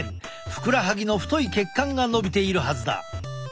ふくらはぎの太い血管がのびているはずだ。